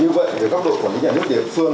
như vậy với góc độ của những nhà nước địa phương